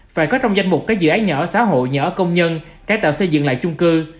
phải có trong danh mục các dự án nhỏ xã hội nhỏ công nhân các tạo xây dựng lại chung cư